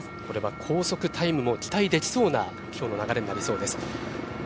高速タイムも期待できそうなきょうの流れになりそうです。